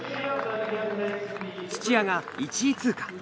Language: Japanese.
土屋が１位通過。